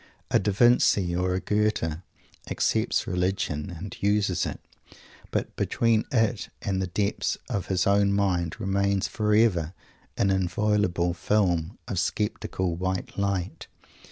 A Da Vinci or a Goethe accepts religion and uses it, but between it and the depths of his own mind remains forever an inviolable film of sceptical "white light."